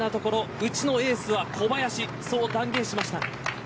うちのエースは小林そう断言しました。